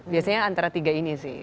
biasanya antara tiga ini sih